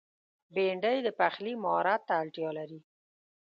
بېنډۍ د پخلي مهارت ته اړتیا لري